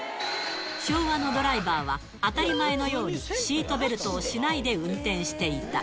昭和のドライバーは、当たり前のようにシートベルトをしないで運転していた。